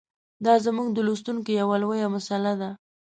دا زموږ د لوستونکو یوه لویه مساله ده.